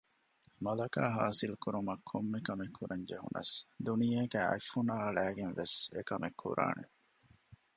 މަލަކާ ހާސިލް ކުރުމަށް ކޮންމެ ކަމެއް ކުރަން ޖެހުނަސް ދުނިޔޭގައި އަތް ފުނާ އަޅައިގެން ވެސް އެކަމެއް ކުރާނެ